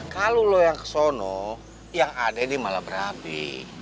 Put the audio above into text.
kalo lu yang kesana yang ada nih malah babi